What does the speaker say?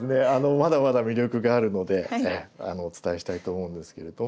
まだまだ魅力があるのでお伝えしたいと思うんですけれども。